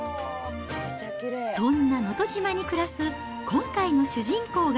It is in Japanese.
そんな能登島に暮らす今回の主人公が。